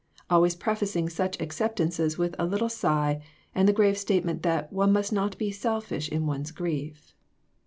Always prefacing such acceptances with a little sigh, and the grave statement that one must not be selfish in one's grief.